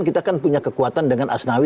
kita kan punya kekuatan dengan asnawi